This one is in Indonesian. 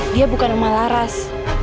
dia bukan emak laras